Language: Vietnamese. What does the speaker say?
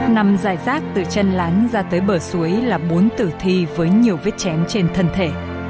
nằm dài rác từ chân lán ra tới bờ suối là bốn tử thi với nhiều vết chém trên thân thể